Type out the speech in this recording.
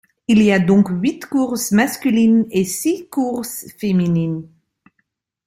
Il y a donc huit courses masculines et six courses féminines.